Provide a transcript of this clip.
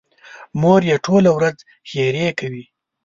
مور یې ټوله ورځ ښېرې کوي.